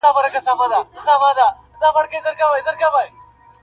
بل فلسطین بله غزه دي کړمه,